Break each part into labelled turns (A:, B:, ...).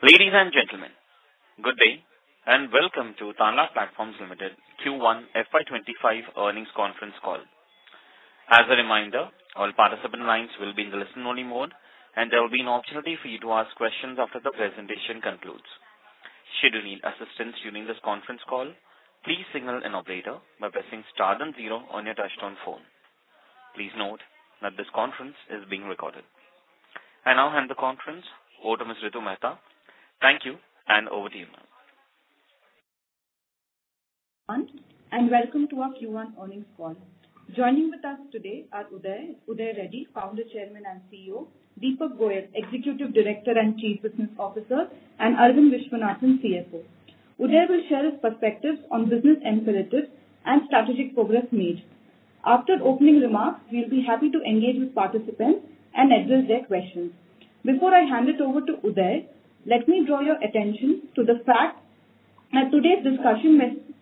A: Ladies and gentlemen, good day and welcome to Tanla Platforms Limited Q1 FY25 earnings conference call. As a reminder, all participant lines will be in the listen-only mode, and there will be an opportunity for you to ask questions after the presentation concludes. Should you need assistance during this conference call, please signal an operator by pressing star then zero on your touch-tone phone. Please note that this conference is being recorded. I now hand the conference over to Ms. Ritu Mehta. Thank you, and over to you, ma'am.
B: Welcome to our Q1 earnings call. Joining with us today are Uday, Uday Reddy, Founder, Chairman, and CEO; Deepak Goyal, Executive Director and Chief Business Officer; and Aravind Viswanathan, CFO. Uday will share his perspectives on business imperatives and strategic progress made. After opening remarks, we'll be happy to engage with participants and address their questions. Before I hand it over to Uday, let me draw your attention to the fact that today's discussion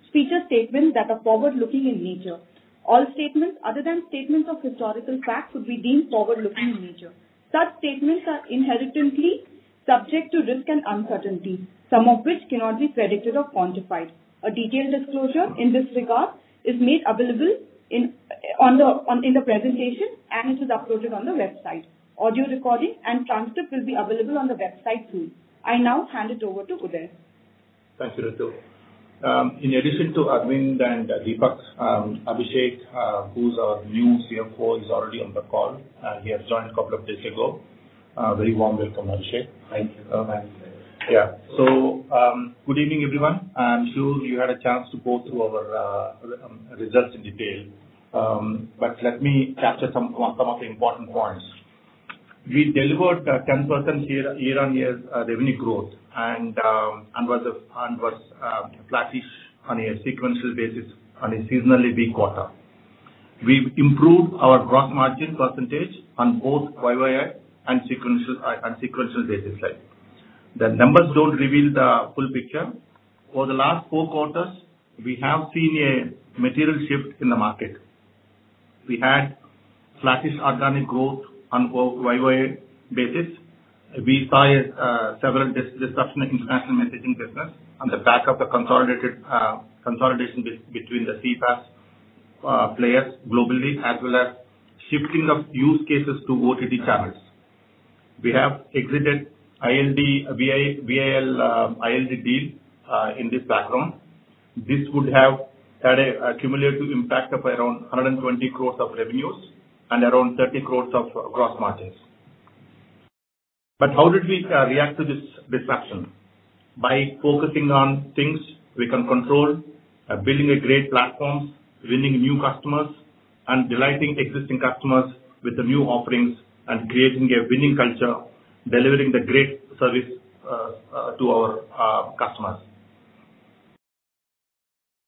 B: speeches' statements are forward-looking in nature. All statements, other than statements of historical facts, would be deemed forward-looking in nature. Such statements are inherently subject to risk and uncertainty, some of which cannot be predicted or quantified. A detailed disclosure in this regard is made available in the presentation, and it is uploaded on the website. Audio recording and transcript will be available on the website soon. I now hand it over to Uday.
C: Thank you, Ritu. In addition to Arvind and Deepak, Abhishek, who's our new CFO, is already on the call. He has joined a couple of days ago. Very warm welcome, Abhishek.
D: Thank you.
C: Yeah. So good evening, everyone. I'm sure you had a chance to go through our results in detail, but let me capture some of the important points. We delivered 10% year-over-year revenue growth and was a flattish on a sequential basis on a seasonally weak quarter. We improved our gross margin percentage on both YoY and sequential basis. The numbers don't reveal the full picture. Over the last four quarters, we have seen a material shift in the market. We had flattish organic growth on a YoY basis. We saw several disruptions in international messaging business on the back of the consolidation between the CPaaS players globally, as well as shifting of use cases to OTT channels. We have exited ILD deal in this background. This would have had an accumulative impact of around 120 crores of revenues and around 30 crores of gross margins. But how did we react to this disruption? By focusing on things we can control, building great platforms, winning new customers, and delighting existing customers with the new offerings and creating a winning culture, delivering the great service to our customers.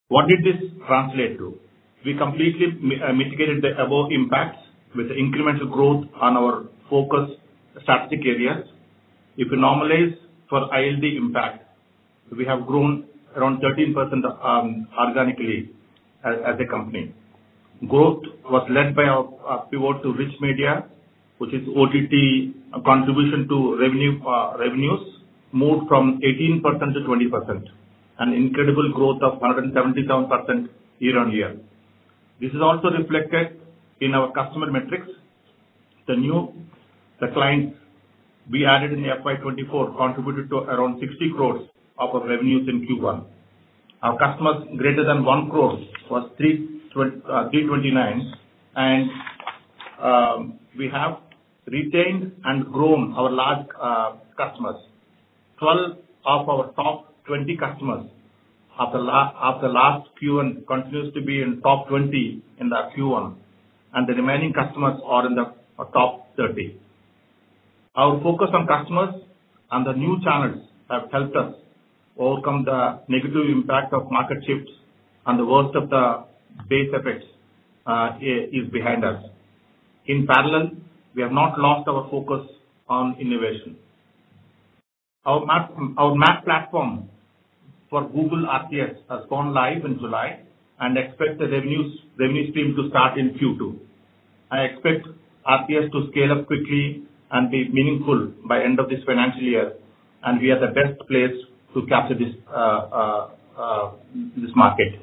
C: What did this translate to? We completely mitigated the above impacts with incremental growth on our focus strategic areas. If we normalize for ILD impact, we have grown around 13% organically as a company. Growth was led by our pivot to rich media, which is OTT contribution to revenues moved from 18% to 20%, an incredible growth of 177% year-on-year. This is also reflected in our customer metrics. The clients we added in FY2024 contributed to around 60 crore of our revenues in Q1. Our customers greater than 1 crore was 329, and we have retained and grown our large customers. 12 of our top 20 customers of the last Q1 continues to be in top 20 in Q1, and the remaining customers are in the top 30. Our focus on customers and the new channels have helped us overcome the negative impact of market shifts, and the worst of the base effects is behind us. In parallel, we have not lost our focus on innovation. Our MaaP platform for Google RCS has gone live in July, and expect the revenue stream to start in Q2. I expect RCS to scale up quickly and be meaningful by the end of this financial year, and we are the best place to capture this market.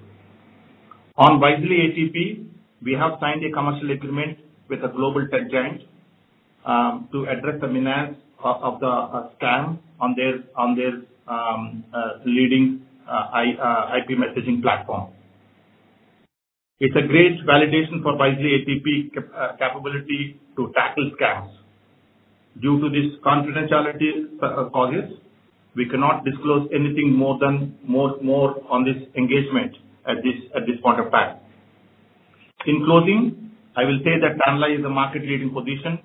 C: On Wisely ATP, we have signed a commercial agreement with a global tech giant to address the demands of the scam on their leading IP messaging platform. It's a great validation for Wisely ATP capability to tackle scams. Due to these confidentiality clauses, we cannot disclose anything more on this engagement at this point in time. In closing, I will say that Tanla is in a market-leading position.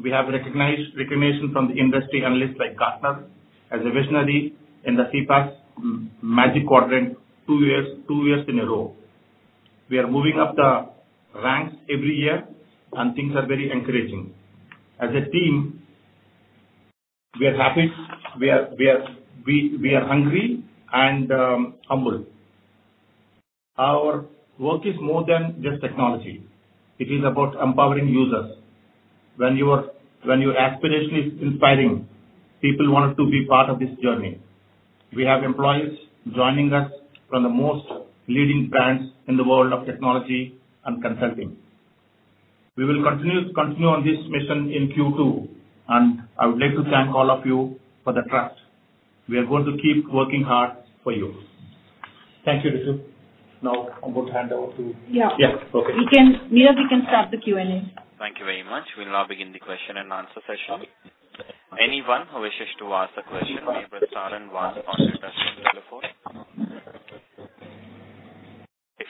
C: We have recognition from the industry analysts like Gartner as a visionary in the CPaaS Magic Quadrant two years in a row. We are moving up the ranks every year, and things are very encouraging. As a team, we are happy. We are hungry and humble. Our work is more than just technology. It is about empowering users. When your aspiration is inspiring, people want to be part of this journey. We have employees joining us from the most leading brands in the world of technology and consulting. We will continue on this mission in Q2, and I would like to thank all of you for the trust. We are going to keep working hard for you. Thank you, Ritu. Now, I'm going to hand over to.
B: Yeah.
C: Yeah. Okay.
B: Neil, we can start the Q&A.
A: Thank you very much. We'll now begin the question and answer session. Anyone who wishes to ask a question may press star and one on the touchscreen telephone.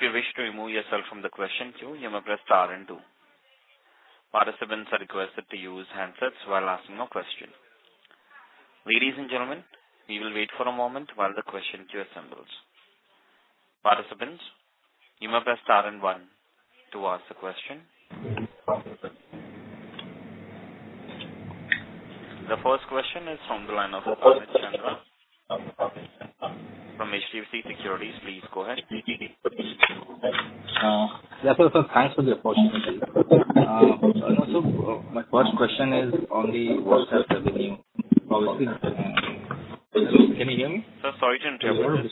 A: If you wish to remove yourself from the question queue, you may press star and two. Participants are requested to use handsets while asking a question. Ladies and gentlemen, we will wait for a moment while the question queue assembles. Participants, you may press star and one to ask a question. The first question is from the line of
E: Yes, sir. Thanks for the opportunity. Also, my first question is on the worst revenue. Can you hear me?
A: Sir, sorry to interrupt.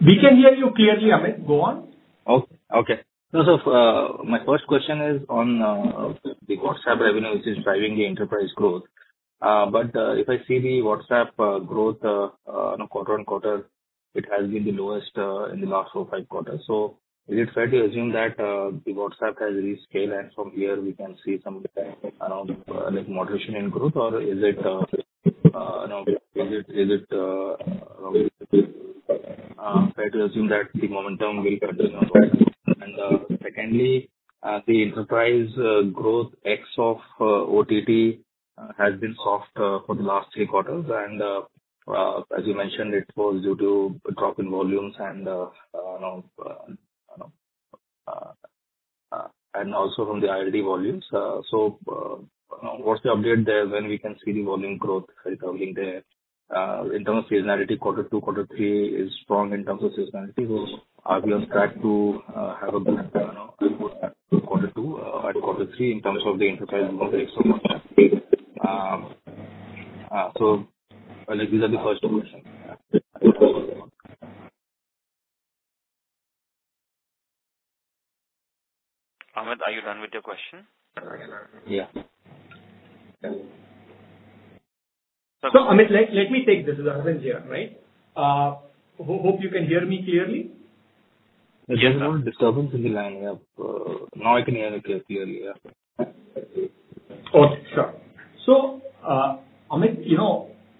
C: We can hear you clearly. Go on.
E: Okay. Okay. So, sir, my first question is on the WhatsApp revenue, which is driving the enterprise growth. But if I see the WhatsApp growth quarter-on-quarter, it has been the lowest in the last four or five quarters. So is it fair to assume that the WhatsApp has rescaled, and from here, we can see some moderation in growth? Or is it fair to assume that the momentum will continue? And secondly, the enterprise growth ex of OTT has been soft for the last three quarters. And as you mentioned, it was due to a drop in volumes and also from the ILD volumes. So what's the update there when we can see the volume growth recovering there? In terms of seasonality, quarter two, quarter three is strong in terms of seasonality. Are we on track to have a good quarter two and quarter three in terms of the enterprise growth ex of WhatsApp? These are the first questions.
A: Amit, are you done with your question?
E: Yeah.
F: So, Amit, let me take this. This is Arvind here, right? Hope you can hear me clearly.
E: Yes, sir. Disturbance in the line. Now I can hear you clearly.
F: Sure. So, Amit,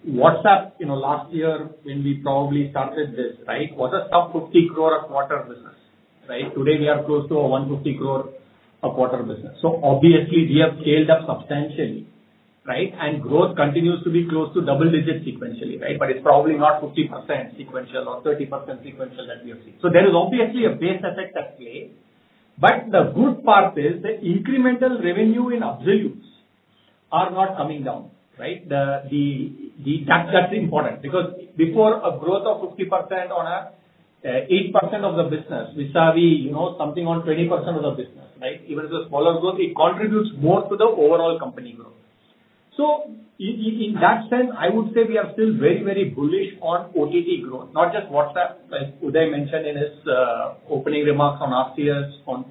F: WhatsApp last year, when we probably started this, right, was a sub-INR 50 crore per quarter business, right? Today, we are close to a 150 crore per quarter business. So obviously, we have scaled up substantially, right? And growth continues to be close to double-digit sequentially, right? But it's probably not 50% sequential or 30% sequential that we have seen. So there is obviously a base effect at play. But the good part is the incremental revenue in absolutes are not coming down, right? That's important because before a growth of 50% on 8% of the business, we saw something on 20% of the business, right? Even if it's a smaller growth, it contributes more to the overall company growth. So in that sense, I would say we are still very, very bullish on OTT growth, not just WhatsApp, as Uday mentioned in his opening remarks on RCS, on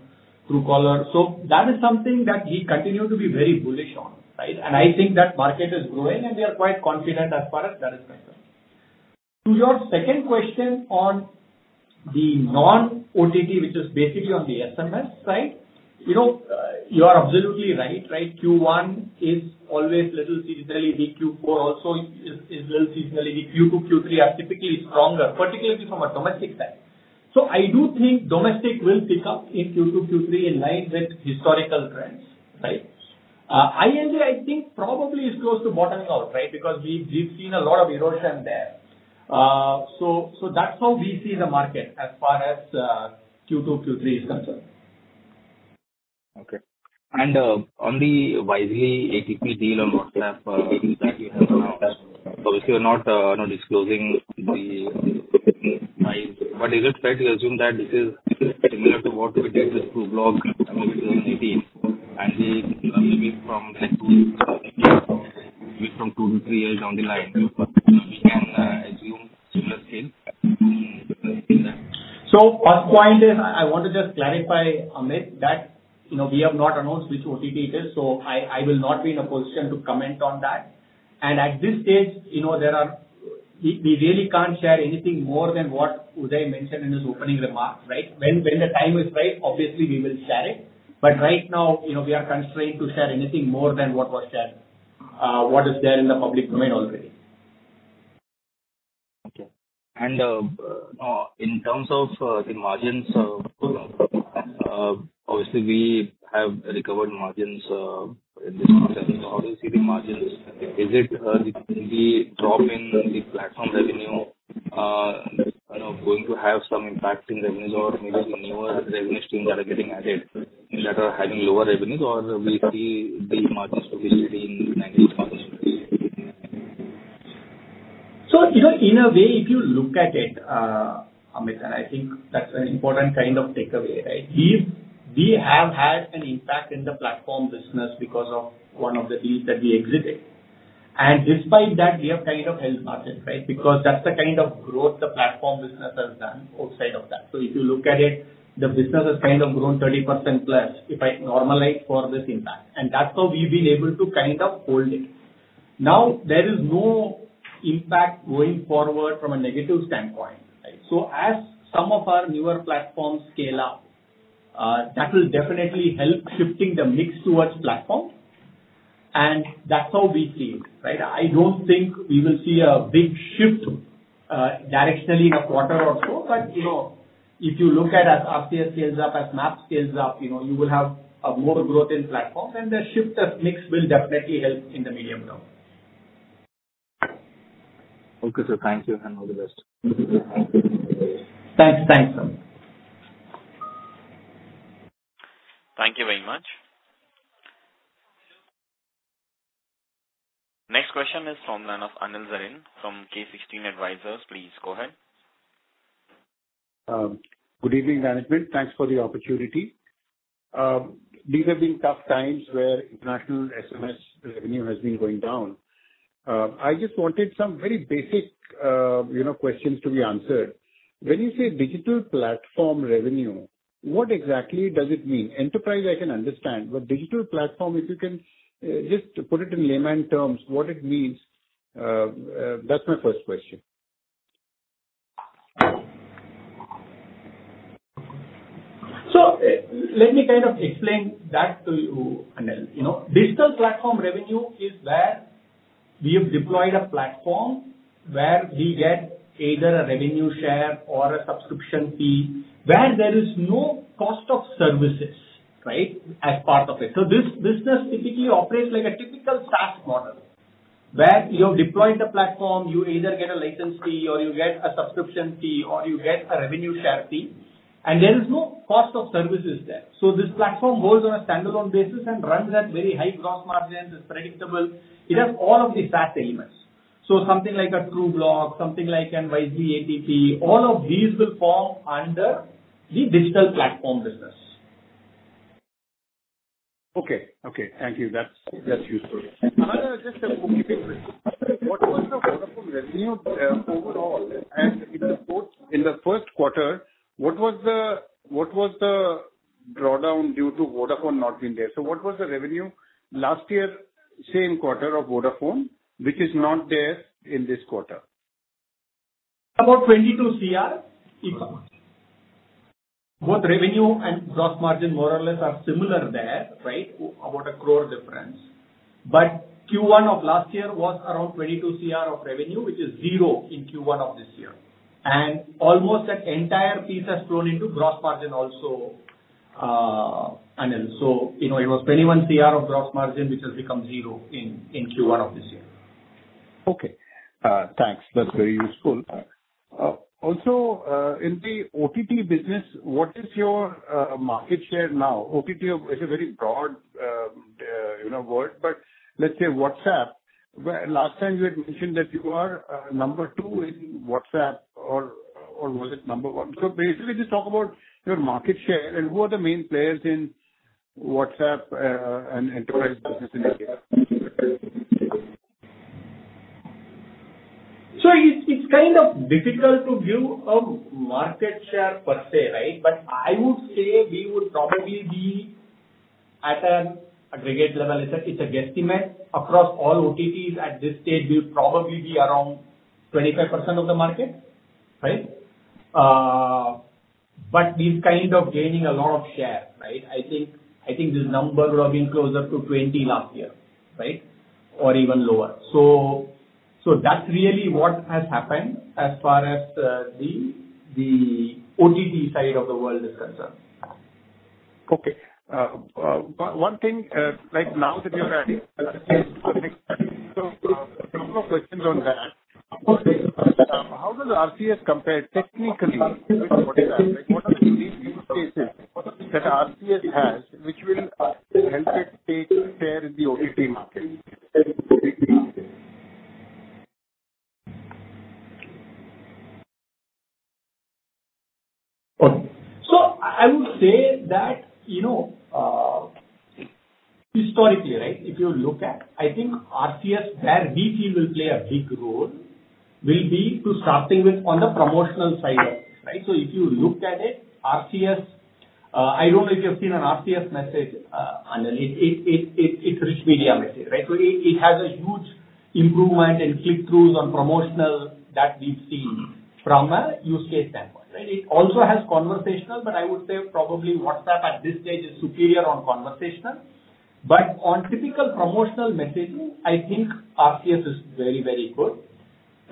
F: Truecaller. So that is something that we continue to be very bullish on, right? And I think that market is growing, and we are quite confident as far as that is concerned. To your second question on the non-OTT, which is basically on the SMS side, you are absolutely right, right? Q1 is always little seasonally. Q4 also is little seasonally. Q2, Q3 are typically stronger, particularly from a domestic side. So I do think domestic will pick up in Q2, Q3 in line with historical trends, right? ILD, I think, probably is close to bottoming out, right? Because we've seen a lot of erosion there. So that's how we see the market as far as Q2, Q3 is concerned.
E: Okay. And on the Wisely ATP deal on WhatsApp that you have announced, obviously, we're not disclosing the price. But is it fair to assume that this is similar to what we did with Trubloq in 2018? And we're living from 2 to 3 years down the line. We can assume similar scale.
F: First point is I want to just clarify, Amit, that we have not announced which OTT it is. I will not be in a position to comment on that. At this stage, we really can't share anything more than what Uday mentioned in his opening remarks, right? When the time is right, obviously, we will share it. Right now, we are constrained to share anything more than what was shared, what is there in the public domain already.
E: Okay. In terms of the margins, obviously, we have recovered margins in this market. How do you see the margins? Is it the drop in the platform revenue going to have some impact in revenues or maybe newer revenue streams that are getting added that are having lower revenues, or will we see these margins provisioned in 90%?
F: So in a way, if you look at it, Amit, and I think that's an important kind of takeaway, right? We have had an impact in the platform business because of one of the deals that we exited. Despite that, we have kind of held market, right? Because that's the kind of growth the platform business has done outside of that. So if you look at it, the business has kind of grown 30% plus if I normalize for this impact. And that's how we've been able to kind of hold it. Now, there is no impact going forward from a negative standpoint, right? So as some of our newer platforms scale up, that will definitely help shifting the mix towards platform. And that's how we see it, right? I don't think we will see a big shift directionally in a quarter or so. But if you look at, as RCS scales up, as MaaP scales up, you will have more growth in platforms. And the shift of mix will definitely help in the medium term.
E: Okay. So thank you and all the best.
F: Thanks. Thanks, sir.
A: Thank you very much. Next question is from the line of Anil Sarin from K16 Advisors. Please go ahead.
G: Good evening, management. Thanks for the opportunity. These have been tough times where international SMS revenue has been going down. I just wanted some very basic questions to be answered. When you say digital platform revenue, what exactly does it mean? Enterprise, I can understand. But digital platform, if you can just put it in layman's terms, what it means, that's my first question.
F: Let me kind of explain that to you, Anil. Digital platform revenue is where we have deployed a platform where we get either a revenue share or a subscription fee where there is no cost of services, right, as part of it. This business typically operates like a typical SaaS model where you have deployed the platform, you either get a license fee or you get a subscription fee or you get a revenue share fee. There is no cost of services there. This platform goes on a standalone basis and runs at very high gross margins. It's predictable. It has all of the SaaS elements. Something like a Trubloq, something like a Wisely ATP, all of these will fall under the digital platform business.
G: Okay. Okay. Thank you. That's useful. Another question. What was the Vodafone revenue overall? And in the Q1, what was the drawdown due to Vodafone not being there? So what was the revenue last year, same quarter of Vodafone, which is not there in this quarter?
F: About 22 crore. Both revenue and gross margin more or less are similar there, right? About 1 crore difference. But Q1 of last year was around 22 crore of revenue, which is zero in Q1 of this year. And almost that entire piece has flown into gross margin also, Anil. So it was 21 crore of gross margin, which has become zero in Q1 of this year.
G: Okay. Thanks. That's very useful. Also, in the OTT business, what is your market share now? OTT is a very broad word. But let's say WhatsApp, last time you had mentioned that you are number two in WhatsApp, or was it number one? So basically, just talk about your market share and who are the main players in WhatsApp and enterprise business in India.
F: So it's kind of difficult to view a market share per se, right? But I would say we would probably be at an aggregate level. It's a guesstimate. Across all OTTs at this stage, we would probably be around 25% of the market, right? But we've kind of gained a lot of share, right? I think this number would have been closer to 20% last year, right? Or even lower. So that's really what has happened as far as the OTT side of the world is concerned.
G: Okay. One thing, right now that you're adding, so a couple of questions on that. How does RCS compare technically with WhatsApp? What are the use cases that RCS has, which will help it take share in the OTT market?
F: So I would say that historically, right, if you look at, I think RCS, where we feel will play a big role, will be to starting with on the promotional side of it, right? So if you look at it, RCS, I don't know if you've seen an RCS message, Anil. It's a rich media message, right? So it has a huge improvement in click-throughs on promotional that we've seen from a use case standpoint, right? It also has conversational, but I would say probably WhatsApp at this stage is superior on conversational. But on typical promotional messaging, I think RCS is very, very good.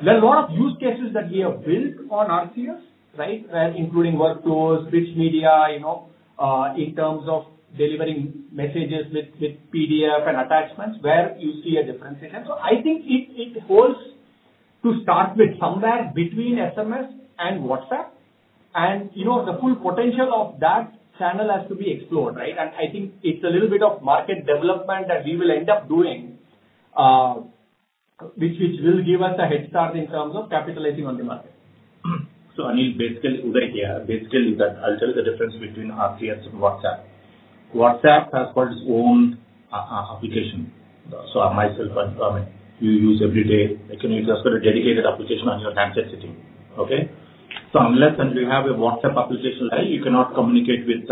F: There are a lot of use cases that we have built on RCS, right? Including workflows, rich media in terms of delivering messages with PDF and attachments where you see a differentiation. So I think it holds to start with somewhere between SMS and WhatsApp. The full potential of that channel has to be explored, right? I think it's a little bit of market development that we will end up doing, which will give us a head start in terms of capitalizing on the market.
C: So Anil, basically, Uday here, basically, I'll tell you the difference between RCS and WhatsApp. WhatsApp has got its own application. So myself and Amit, you use every day. You can also have a dedicated application on your handset sitting, okay? So unless you have a WhatsApp application, you cannot communicate with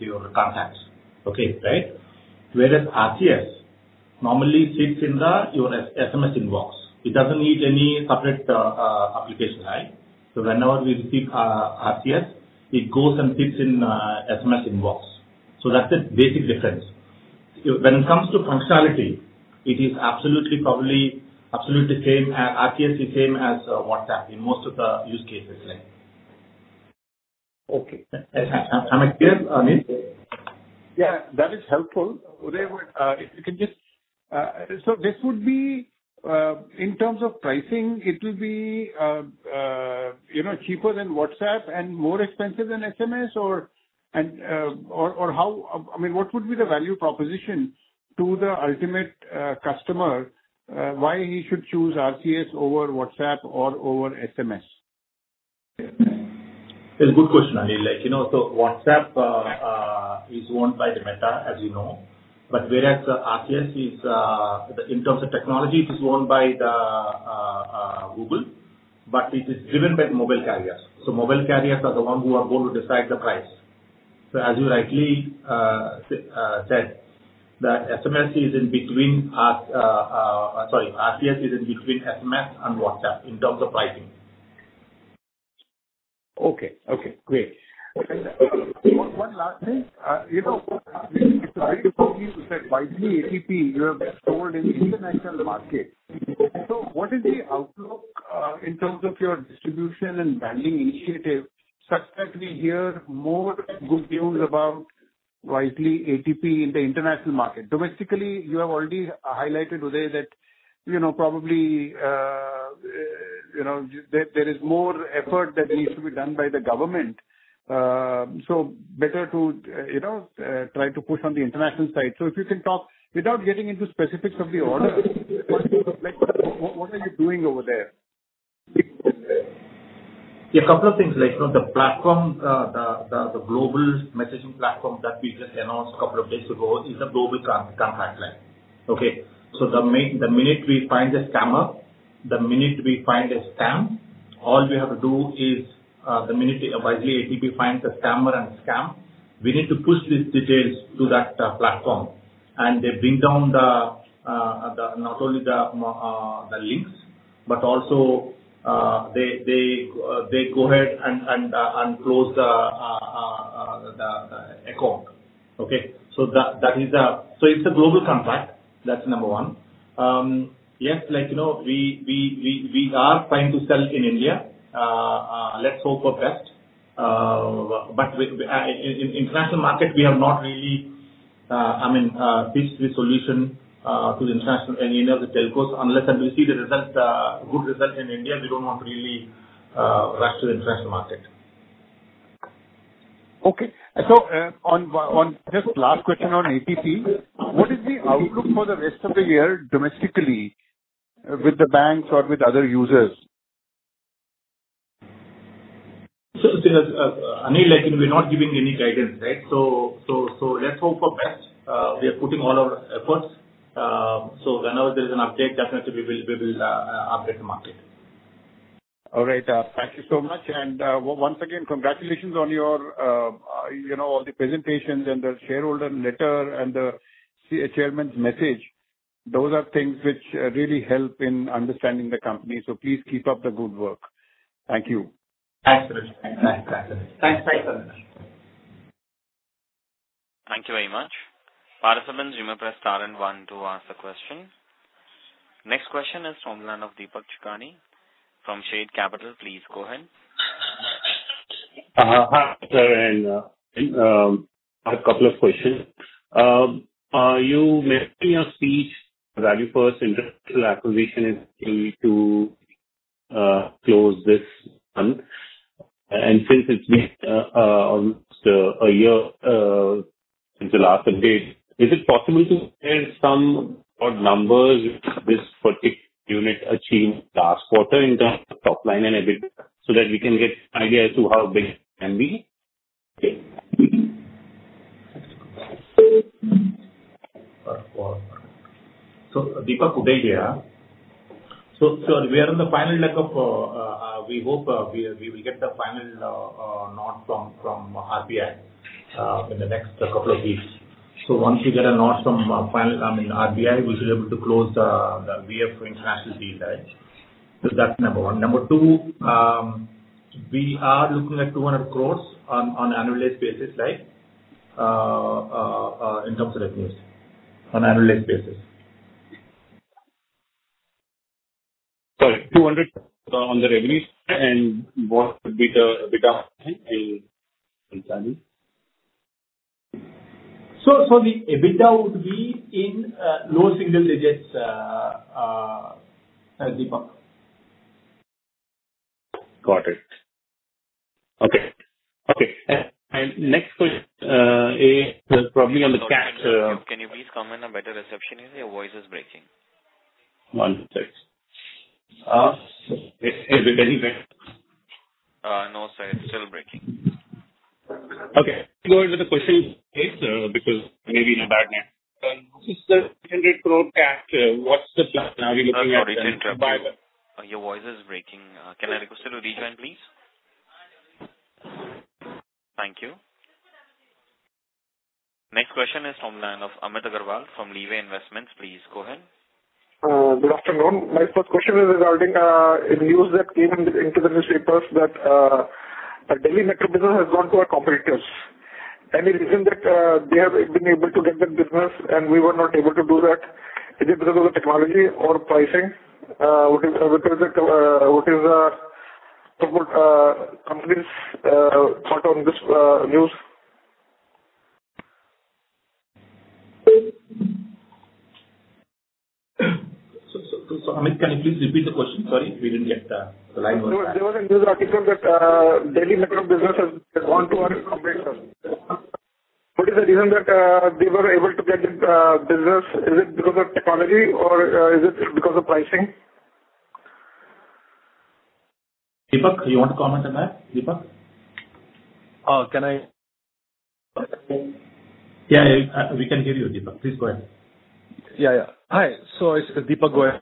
C: your contacts, okay? Right? Whereas RCS normally sits in your SMS inbox. It doesn't need any separate application, right? So whenever we receive RCS, it goes and sits in SMS inbox. So that's the basic difference. When it comes to functionality, it is absolutely the same as RCS is the same as WhatsApp in most of the use cases, right?
G: Okay.
C: Am I clear, Amit?
G: Yeah. That is helpful. Uday, if you can just so this would be in terms of pricing, it will be cheaper than WhatsApp and more expensive than SMS, or how I mean, what would be the value proposition to the ultimate customer? Why he should choose RCS over WhatsApp or over SMS?
C: It's a good question, Anil. So WhatsApp is owned by the Meta, as you know. But whereas RCS, in terms of technology, it is owned by Google. But it is driven by the mobile carriers. So mobile carriers are the ones who are going to decide the price. So as you rightly said, the SMS is in between sorry, RCS is in between SMS and WhatsApp in terms of pricing.
G: Okay. Okay. Great. One last thing. It's very important to say Wisely ATP has been sold in the international market. So what is the outlook in terms of your distribution and branding initiative such that we hear more good news about Wisely ATP in the international market? Domestically, you have already highlighted, Uday, that probably there is more effort that needs to be done by the government. So better to try to push on the international side. So if you can talk without getting into specifics of the order, what are you doing over there?
C: Yeah. A couple of things. The platform, the global messaging platform that we just announced a couple of days ago, is a global contract. Okay? So the minute we find a scammer, the minute we find a scam, all we have to do is the minute Wisely ATP finds a scammer and scam, we need to push these details to that platform. And they bring down not only the links, but also they go ahead and close the account. Okay? So that is a so it's a global contract. That's number one. Yes, we are trying to sell in India. Let's hope for best. But in the international market, we have not really, I mean, pitched this solution to the international and any of the telcos. Unless we see the good result in India, we don't want to really rush to the international market.
G: Okay. So just last question on ATP. What is the outlook for the rest of the year domestically with the banks or with other users?
C: Anil, we're not giving any guidance, right? Let's hope for best. We are putting all our efforts. Whenever there is an update, definitely we will update the market.
G: All right. Thank you so much. Once again, congratulations on all the presentations and the shareholder letter and the chairman's message. Those are things which really help in understanding the company. Please keep up the good work. Thank you.
C: Thanks, Anil.
G: Thanks, guys. Thanks, guys.
A: Thank you very much. Parasaman, Zoom up, press star and one to ask a question. Next question is from the line of Deepak Chokhani from Shade Capital. Please go ahead.
H: Hi, sir. I have a couple of questions. May I ask you a question? ValueFirst International acquisition is key to close this month. Since it's been almost a year since the last update, is it possible to share some hard numbers this particular unit achieved last quarter in terms of top line and EBITDA so that we can get an idea as to how big it can be?
C: So, Deepak. Uday here. So we are in the final leg. We hope we will get the final nod from RBI in the next couple of weeks. So once we get a nod from RBI, we should be able to close the VF International deal, right? So that's number one. Number two, we are looking at 200 crore on an annualized basis, right, in terms of revenues on an annualized basis.
H: Sorry. 200 crore on the revenues. And what would be the EBITDA and? And Tanla?
C: The EBITDA would be in low single digits, Deepak.
H: Got it. Okay. Okay. And next question is probably on the cash.
A: Can you please come in a better reception area? Your voice is breaking.
H: One sec. Is it any better?
A: No, sir. It's still breaking.
C: Okay. Go ahead with the questions, okay, sir, because maybe in a bad manner.
H: It's the 300 crore cash. What's the plan? Are we looking at?
A: Sorry. Interrupting. Your voice is breaking. Can I request you to rejoin, please? Thank you. Next question is from the line of Amit Agarwal from Leeway Investments. Please go ahead.
I: Good afternoon. My first question is regarding a news that came into the newspapers that the Delhi Metro business has gone to our competitors. Any reason that they have been able to get that business and we were not able to do that? Is it because of the technology or pricing? What is the company's thought on this news?
F: Amit, can you please repeat the question? Sorry, we didn't get. The line was cut.
I: There was a news article that Delhi Metro business has gone to our competitors. What is the reason that they were able to get this business? Is it because of technology or is it because of pricing?
F: Deepak, you want to comment on that? Deepak?
J: Can I?
F: Yeah. We can hear you, Deepak. Please go ahead.
J: Yeah. Yeah. Hi. So it's Deepak Goyal.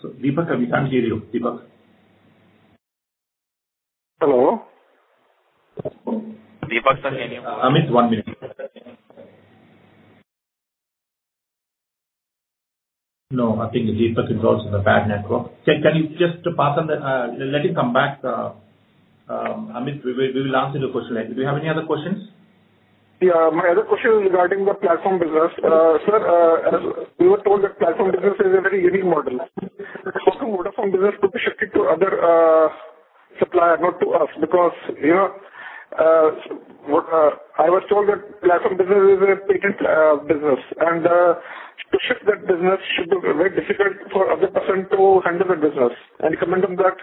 F: So Deepak, we can't hear you. Deepak.
J: Hello?
A: Deepak, sir, can you?
F: Amit, one minute. No, I think Deepak is also on a bad network. Can you just pass on that? Let him come back. Amit, we will answer your question. Do you have any other questions?
I: Yeah. My other question is regarding the platform business. Sir, we were told that platform business is a very unique model. How come platform business could be shifted to other suppliers, not to us? Because I was told that platform business is a patent business. And to shift that business should be very difficult for other person to handle the business. And comment on that?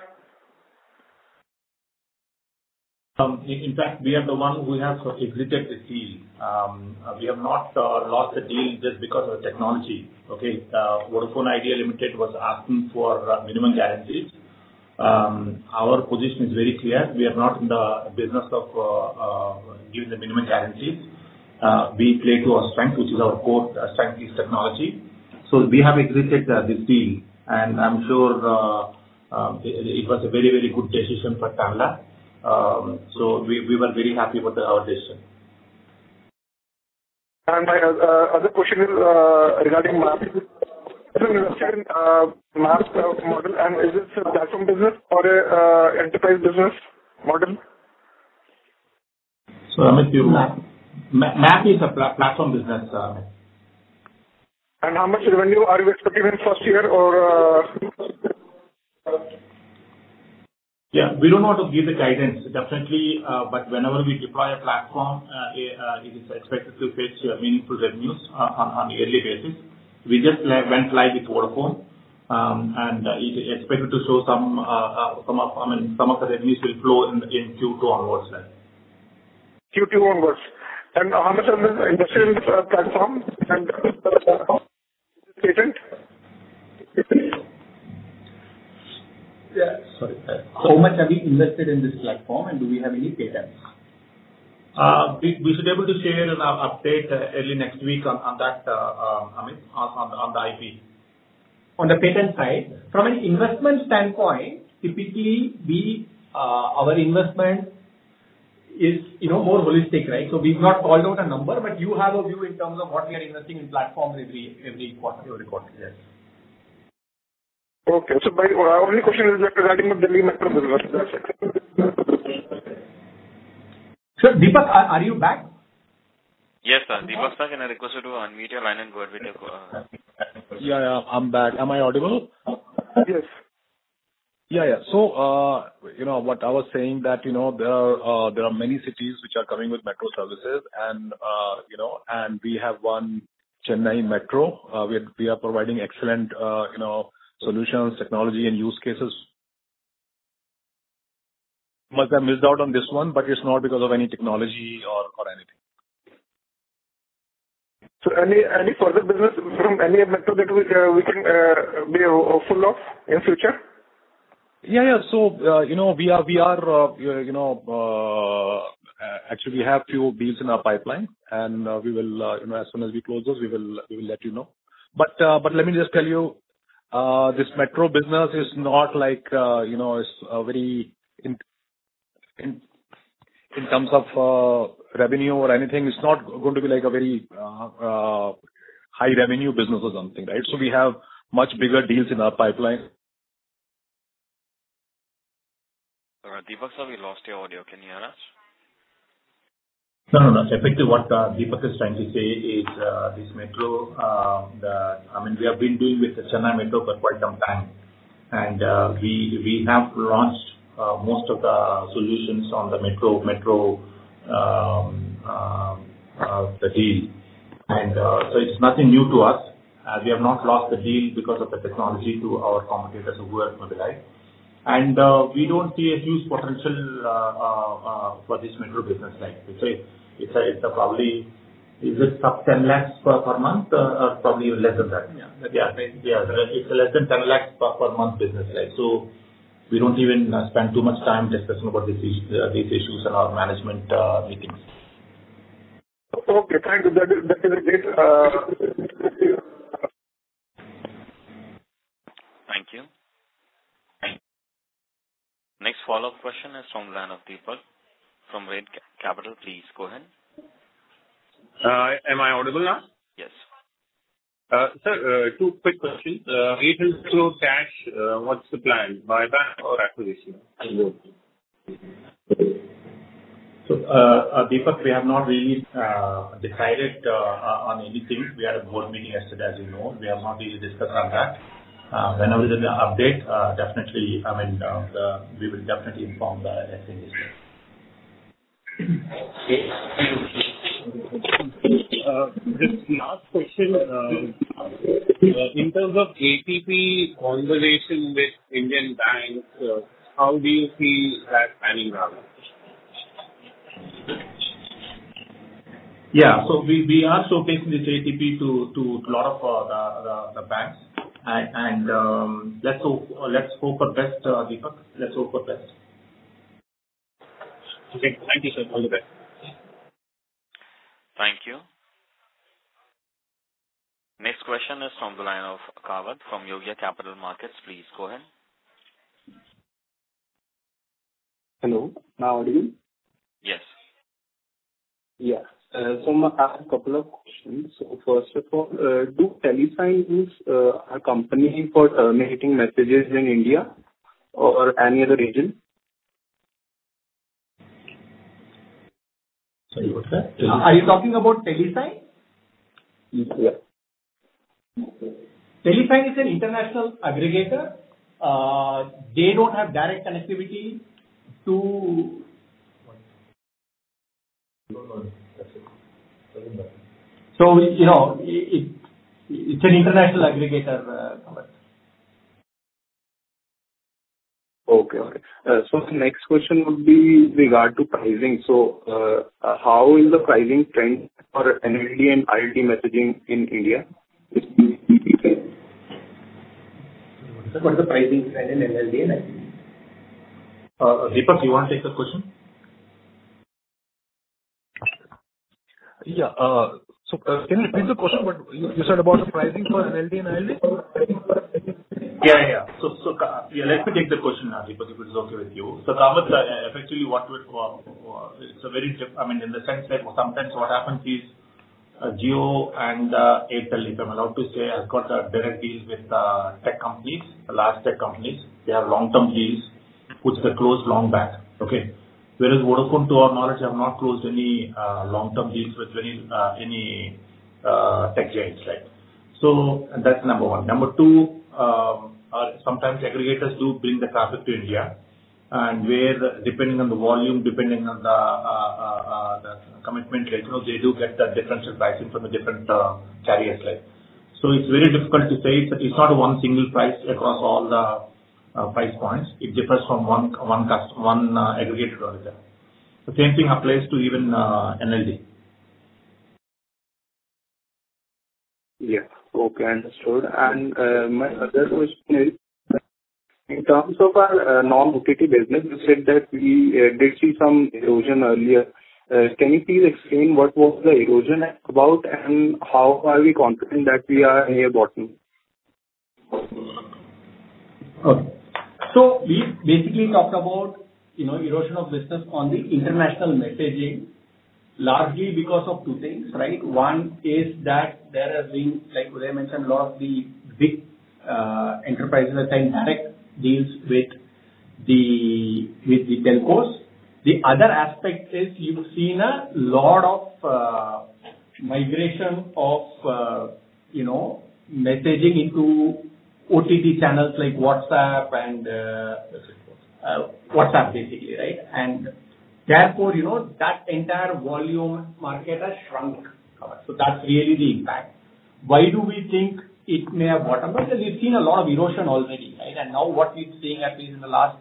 F: In fact, we are the ones who have exited the deal. We have not lost the deal just because of the technology. Okay? Vodafone Idea Limited was asking for minimum guarantees. Our position is very clear. We are not in the business of giving the minimum guarantees. We play to our strength, which is our core strength, is technology. So we have exited this deal. And I'm sure it was a very, very good decision for Tanla. So we were very happy about our decision.
I: My other question is regarding MaaP. I'm interested in MaaP model. Is this a platform business or an enterprise business model?
F: So, Amit, you? MaaP is a platform business, Amit.
I: How much revenue are you expecting in the first year or?
F: Yeah. We don't want to give the guidance, definitely. But whenever we deploy a platform, it is expected to face meaningful revenues on a yearly basis. We just went live with Vodafone. And it is expected to show some of the revenues will flow in Q2 onward, right?
I: Q2 onwards. How much of the investment in this platform and the platform is patented? Yeah. Sorry. How much have we invested in this platform? And do we have any patents?
F: We should be able to share an update early next week on that, Amit, on the IP. On the patent side, from an investment standpoint, typically, our investment is more holistic, right? So we've not called out a number, but you have a view in terms of what we are investing in platforms every quarter or every quarter, yes.
I: Okay. My only question is regarding the Delhi Metro business.
F: Sir, Deepak, are you back?
I: Yes, sir. Deepak Sir, can I request you to unmute your line and go ahead with your question?
J: Yeah. Yeah. I'm back. Am I audible?
A: Yes.
J: Yeah. Yeah. So what I was saying that there are many cities which are coming with Metro services. And we have one Chennai Metro. We are providing excellent solutions, technology, and use cases. Must have missed out on this one, but it's not because of any technology or anything.
I: So any further business from any of Metro that we can be hopeful of in the future?
J: Yeah. Yeah. So we actually have a few deals in our pipeline. As soon as we close those, we will let you know. But let me just tell you, this Metro business is not like it's very in terms of revenue or anything, it's not going to be like a very high revenue business or something, right? So we have much bigger deals in our pipeline.
A: All right. Deepak Sir, we lost your audio. Can you hear us?
F: No, no, no. Effectively, what Deepak is trying to say is this Metro, I mean, we have been doing with the Chennai Metro for quite some time. And we have launched most of the solutions on the Metro deal. And so it's nothing new to us. We have not lost the deal because of the technology to our competitors who work with the line. And we don't see a huge potential for this Metro business, right? So it's probably is it sub 10 lakhs per month or probably even less than that? Yeah. Yeah. It's less than 10 lakhs per month business, right? So we don't even spend too much time discussing about these issues in our management meetings.
I: Okay. Thank you. That is a great.
A: Thank you. Next follow-up question is from the line of Deepak from Shade Capital. Please go ahead.
H: Am I audible now?
A: Yes.
H: Sir, two quick questions. Retail cash, what's the plan? Buyback or acquisition?
F: Deepak, we have not really decided on anything. We had a board meeting yesterday, as you know. We have not really discussed on that. Whenever there's an update, definitely, I mean, we will definitely inform the SEs.
H: Okay. The last question. In terms of ATP conversation with Indian banks, how do you see that planning rather?
F: Yeah. We are showcasing this ATP to a lot of the banks. Let's hope for best, Deepak. Let's hope for best.
H: Okay. Thank you, sir. All the best.
A: Thank you. Next question is from the line ofKavit from Yogya Capital. Please go ahead.
K: Hello. Now audible?
A: Yes.
K: Yes. I have a couple of questions. First of all, do Telesign use a company for terminating messages in India or any other region?
F: Sorry. What's that? Are you talking about Telesign?
K: Yes.
F: Telesign is an international aggregator. They don't have direct connectivity to... It's an international aggregator, Kavit.
K: Okay. Okay. So the next question would be regard to pricing. So how is the pricing trend for NLD and ILD messaging in India? What is the pricing trend in NLD and ILD?
F: Deepak, you want to take the question?
H: Yeah. Can you repeat the question? You said about the pricing for NLD and ILD?
F: Yeah. Yeah. So let me take the question now, Deepak, if it's okay with you. So Kavit, effectively, you want to. It's a very. I mean, in the sense that sometimes what happens is Jio and Airtel, if I'm allowed to say, have got a direct deal with tech companies, large tech companies. They have long-term deals, which they close long back, okay? Whereas Vodafone, to our knowledge, have not closed any long-term deals with any tech giants, right? So that's number one. Number two, sometimes aggregators do bring the traffic to India. And depending on the volume, depending on the commitment, they do get the differential pricing from the different carriers, right? So it's very difficult to say. It's not one single price across all the price points. It differs from one aggregator to another. The same thing applies to even NLD.
K: Yes. Okay. I understood. And my other question is, in terms of our non-OTT business, you said that we did see some erosion earlier. Can you please explain what was the erosion about and how are we confident that we are near bottom?
F: Okay. So we basically talked about erosion of business on the international messaging, largely because of two things, right? One is that there has been, like Uday mentioned, a lot of the big enterprises are trying direct deals with the telcos. The other aspect is you've seen a lot of migration of messaging into OTT channels like WhatsApp and WhatsApp, basically, right? And therefore, that entire volume market has shrunk, Kavit. So that's really the impact. Why do we think it may have bottomed out? Because we've seen a lot of erosion already, right? And now what we've seen, at least in the last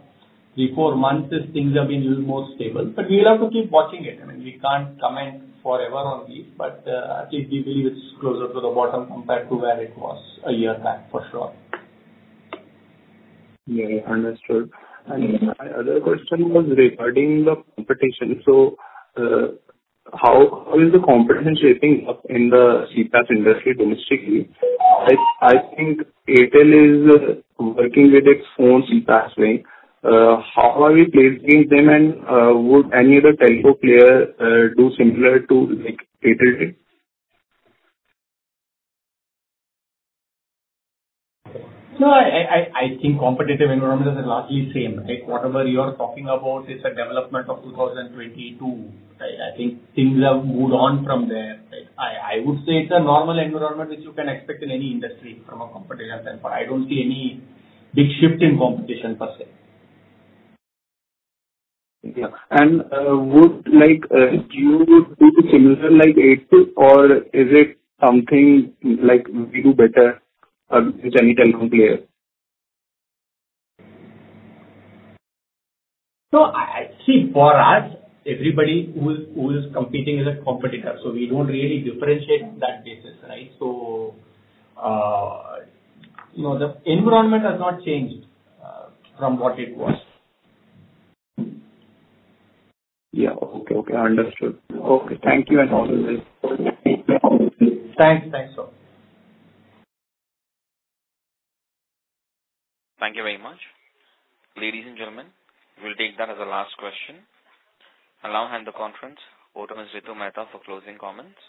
F: three, four months, is things have been more stable. But we'll have to keep watching it. I mean, we can't comment forever on these, but at least we believe it's closer to the bottom compared to where it was a year back, for sure.
K: Yeah. I understood. My other question was regarding the competition. How is the competition shaping up in the CPaaS industry domestically? I think Airtel is working with its own CPaaS way. How are we placing them? Would any other telco player do similar to Airtel?
F: No, I think competitive environment is largely the same, right? Whatever you are talking about is a development of 2022, right? I think things have moved on from there. I would say it's a normal environment which you can expect in any industry from a competitive standpoint. I don't see any big shift in competition per se.
K: Yeah. Would you do similar like Airtel or is it something like we do better than any telco player?
F: So I see for us, everybody who is competing is a competitor. So we don't really differentiate on that basis, right? So the environment has not changed from what it was.
K: Yeah. Okay. Okay. I understood. Okay. Thank you and all the best. Thanks. Thanks, sir.
A: Thank you very much. Ladies and gentlemen, we'll take that as a last question. And now, I hand the conference over to Ms. Ritu Mehta for closing comments.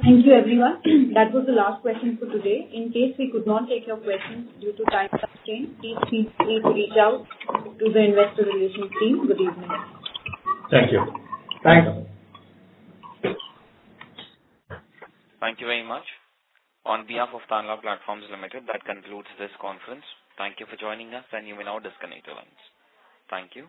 B: Thank you, everyone. That was the last question for today. In case we could not take your questions due to time constraints, please feel free to reach out to the investor relations team. Good evening.
F: Thank you. Thanks.
A: Thank you very much. On behalf of Tanla Platforms Limited, that concludes this conference. Thank you for joining us, and you may now disconnect your lines. Thank you.